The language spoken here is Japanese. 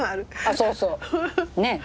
そうそう。ねえ。